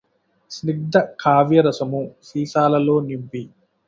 స్నిగ్ధ కావ్యరసము సీసాలలో నింపి